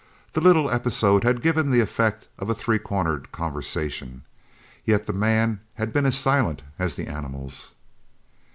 The little episode had given the effect of a three cornered conversation. Yet the man had been as silent as the animals.